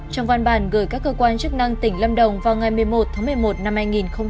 trong văn bản gửi các cơ quan chức năng tỉnh lâm đồng vào ngày một mươi một tháng một mươi một năm hai nghìn một mươi chín